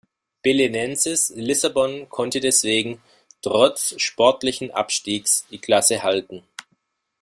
Belenenses Lissabon konnte deswegen, trotz sportlichen Abstiegs, die Klasse halten.